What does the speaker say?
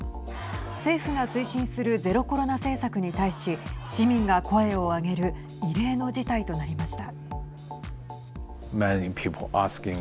政府が推進するゼロコロナ政策に対し市民が声を上げる異例の事態となりました。